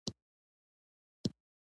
مړه ته د بښنې آساني غواړو